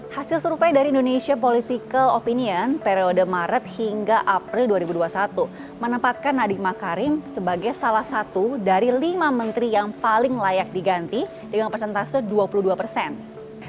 hasil survei dari indonesia political opinion periode maret hingga april dua ribu dua puluh satu menempatkan nadiem makarim sebagai salah satu dari lima menteri yang paling layak diganti dengan persentase dua puluh dua persen